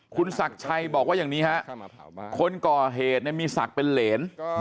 คุณศักดิ์ชัยบอกว่าอย่างนี้ฮะคนก่อเหตุมีศักดิ์เป็นเหรน